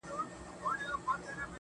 د مودو ستړي پر وجود بـانـدي خـولـه راځي.